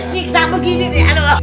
ngeksa begini nih aduh